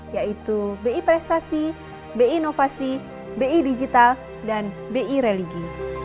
yaitu bi prestasi bi inovasi bi digital dan bi religi